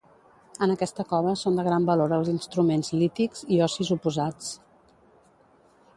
En aquesta cova són de gran valor els instruments lítics i ossis oposats.